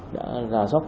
đã ra sót